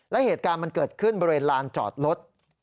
และเหตุการณ์มันเกิดขึ้นบริเวณลานจอดรถ